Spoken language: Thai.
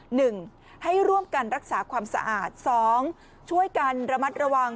หนึ่งให้ร่วมกันรักษาความสะอาดสองช่วยกันระมัดระวัง